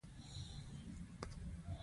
غوږونه د قربانۍ بلهار اوري